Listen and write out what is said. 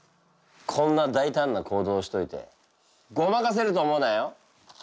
こんな大胆な行動をしといてごまかせると思うなよ！